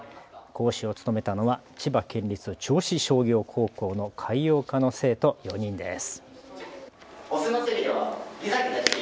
講師を務めたのは千葉県立銚子商業高校の海洋科の生徒４人です。